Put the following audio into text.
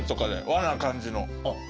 和な感じの。